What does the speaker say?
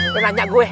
dia tanya gue